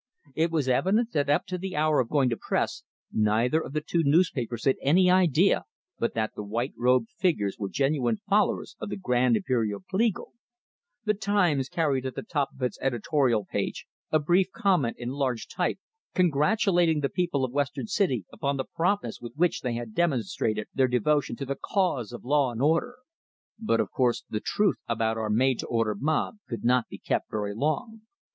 It was evident that up to the hour of going to press, neither of the two newspapers had any idea but that the white robed figures were genuine followers of the "Grand Imperial Kleagle." The "Times" carried at the top of its editorial page a brief comment in large type, congratulating the people of Western City upon the promptness with which they had demonstrated their devotion to the cause of law and order. But of course the truth about our made to order mob could not be kept very long.